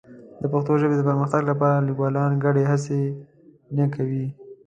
د پښتو ژبې د پرمختګ لپاره لیکوالان ګډې هڅې نه کوي.